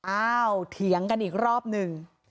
อ้าวเถียงกันอีกรอบนึง